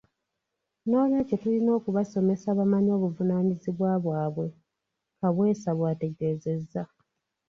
Noolwekyo tulina okubasomesa bamanye obuvunaanyizibwa bwabwe.” Kaweesa bw'ategeezezza.